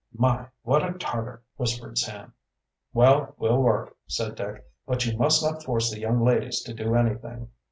"My, what a Tarter!" whispered Sam. "Well, we'll work," said Dick. "But you must not force the young ladies to do anything."